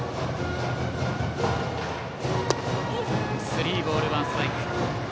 スリーボールワンストライク。